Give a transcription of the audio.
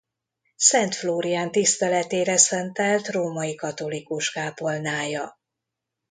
Szent Flórián tiszteletére szentelt római katolikus kápolnája.